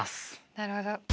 なるほど。